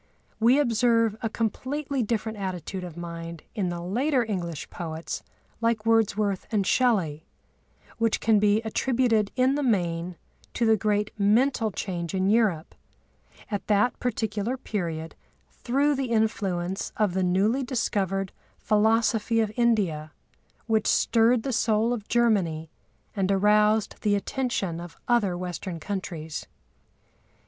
We observe a completely different attitude of mind in the later English poets like Wordsworth and Shelley, which can be attributed in the main to the great mental change in Europe, at that particular period, through the influence of the newly discovered philosophy of India which stirred the soul of Germany and aroused the attention of other Western countries.